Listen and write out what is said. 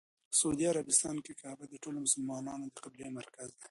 سعودي عربستان کې کعبه د ټولو مسلمانانو د قبله مرکز دی.